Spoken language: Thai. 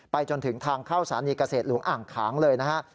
จนถึงทางเข้าสถานีเกษตรหลวงอ่างขางเลยนะฮะ